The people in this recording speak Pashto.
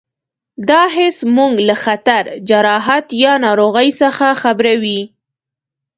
دا حس موږ له خطر، جراحت یا ناروغۍ څخه خبروي.